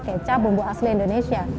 kecap bumbu asli indonesia